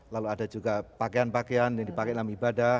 lalu ada juga pakaian pakaian yang dipakai dalam ibadah